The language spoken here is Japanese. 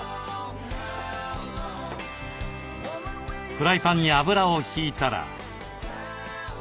フライパンに油を引いたら。